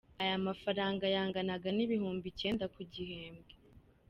Aya mafaranga yanganaga n’ibihumbi icyenda ku gihembwe.